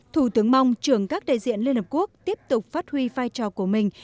thủ tướng mong trưởng các đại diện liên hợp quốc tiếp tục phát huy vai trò của mình